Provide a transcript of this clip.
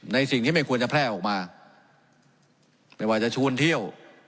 สิ่งที่ไม่ควรจะแพร่ออกมาไม่ว่าจะชวนเที่ยว